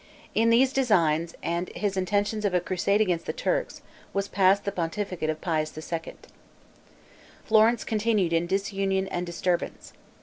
In these designs, and his intentions of a crusade against the Turks, was passed the pontificate of Pius II. Florence continued in disunion and disturbance.